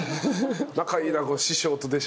仲いいなこの師匠と弟子。